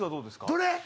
どれ？